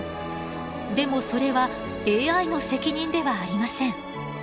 でもそれはＡＩの責任ではありません。